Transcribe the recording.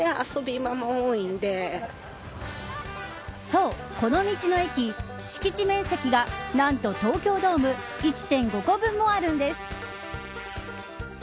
そう、この道の駅敷地面積が、何と東京ドーム１．５個分もあるんです。